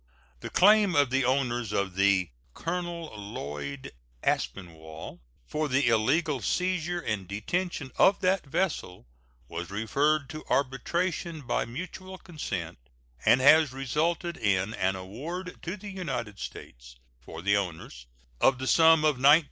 The claim of the owners of the Colonel Lloyd Aspinwall for the illegal seizure and detention of that vessel was referred to arbitration by mutual consent, and has resulted in an award to the United States, for the owners, of the sum of $19,702.